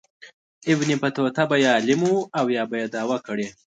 ابن بطوطه به یا عالم و او یا به یې دعوه کړې.